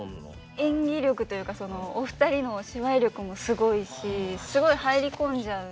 演技力というかお二人の芝居力もすごいしすごい入り込んじゃう。